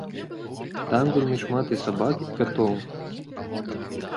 Там вельмі шмат і сабак, і катоў.